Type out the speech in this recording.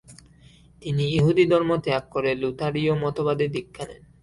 তিনি ইহুদি ধর্ম ত্যাগ করে লুথারীয় মতবাদে দীক্ষা নেন।